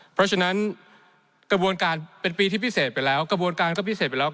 เพราะฉะนั้นกระบวนการเป็นปีที่พิเศษไปแล้วกระบวนการก็พิเศษไปแล้ว